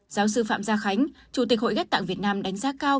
giáo sư phạm gia khánh chủ tịch hội ghép tạng việt nam đánh giá cao